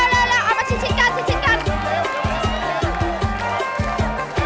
เร็วก้อนกว่านี้อีกนะ